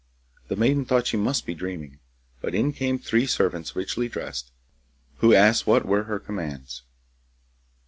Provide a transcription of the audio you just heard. The maiden thought she must be dreaming, but in came three servants richly dressed, who asked what were her commands.